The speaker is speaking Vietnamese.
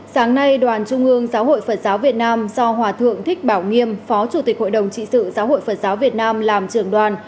sáng nay đoàn trung ương giáo hội phật giáo việt nam do hòa thượng thích bảo nghiêm phó chủ tịch hội đồng trị sự giáo hội phật giáo việt nam làm trưởng đoàn